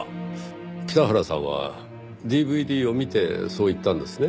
北原さんはＤＶＤを見てそう言ったんですね？